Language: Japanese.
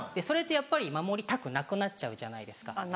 それってやっぱり守りたくなくなっちゃうじゃないですか。